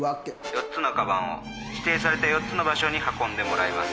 ４つの鞄を指定された４つの場所に運んでもらいます。